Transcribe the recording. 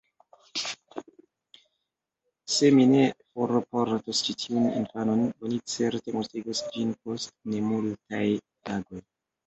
Se mi ne forportos ĉi tiun infanon, oni certe mortigos ĝin post nemultaj tagoj.